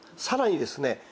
さらにですね